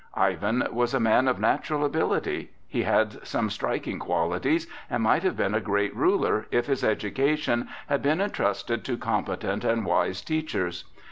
Ivan was a man of natural ability. He had some striking qualities, and might have been a great ruler if his education had been entrusted to competent and wise teachers.